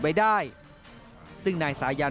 ไว้ได้ซึ่งนายสายัน